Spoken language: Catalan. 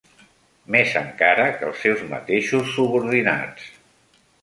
Més encara que els seus mateixos subordinats